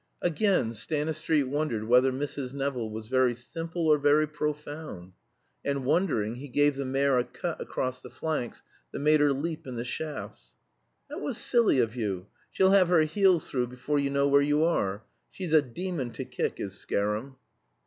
Again Stanistreet wondered whether Mrs. Nevill was very simple or very profound. And wondering, he gave the mare a cut across the flanks that made her leap in the shafts. "That was silly of you. She'll have her heels through before you know where you are. She's a demon to kick, is Scarum."